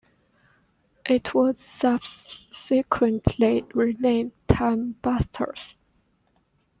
It was subsequently renamed "TimeBusters".